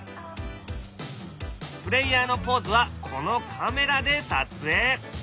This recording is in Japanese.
プレーヤーのポーズはこのカメラで撮影。